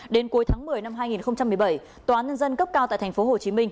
đến cuối tháng một mươi năm hai nghìn một mươi bảy tòa án nhân dân cấp cao tại tp hcm